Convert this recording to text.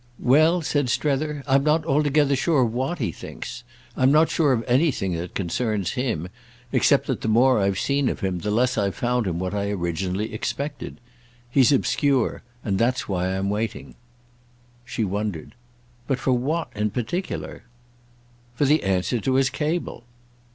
"Well," said Strether, "I'm not altogether sure what he thinks. I'm not sure of anything that concerns him, except that the more I've seen of him the less I've found him what I originally expected. He's obscure, and that's why I'm waiting." She wondered. "But for what in particular?" "For the answer to his cable."